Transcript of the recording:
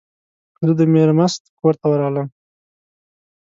زه د میرمست کور ته ورغلم.